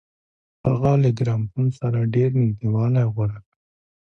هغه له ګرامافون سره ډېر نږدېوالی غوره کړ.